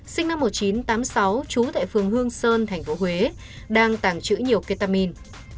sinh năm một nghìn chín trăm tám mươi sáu trú tại phường hương sơn thành phố huế đang tàng trữ nhiều ketamin